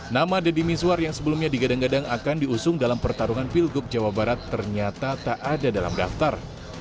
nama deddy miswar yang sebelumnya digadang gadang akan diusung dalam pertarungan pilgub jawa barat ternyata tak ada dalam daftar